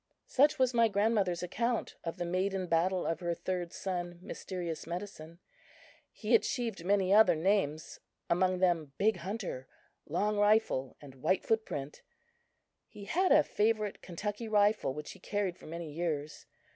Such was my grandmother's account of the maiden battle of her third son, Mysterious Medicine. He achieved many other names; among them Big Hunter, Long Rifle and White Footprint. He had a favorite Kentucky rifle which he carried for many years.